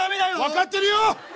分かってるよ！